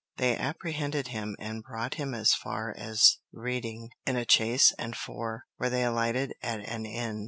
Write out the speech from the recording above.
They apprehended him and brought him as far as Reading, in a chaise and four, where they alighted at an inn.